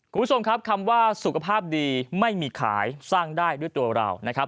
คุณผู้ชมครับคำว่าสุขภาพดีไม่มีขายสร้างได้ด้วยตัวเรานะครับ